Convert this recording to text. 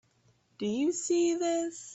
Do you see this?